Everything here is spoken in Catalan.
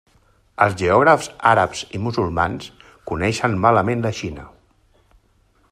Els geògrafs àrabs i musulmans coneixen malament la Xina.